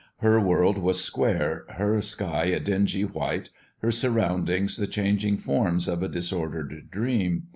Her world was square, her sky a dingy white, her surroundings the changing forms of a disordered dream.